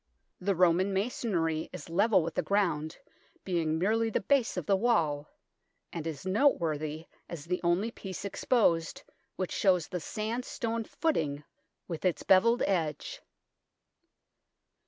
The Roman masonry is level with the ground, being merely the base of the wall, and is noteworthy as the only piece exposed which shows the sandstone footing with its bevelled edge.